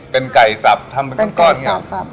เป็นไก่ซับทำเป็นก้อนอย่างนี้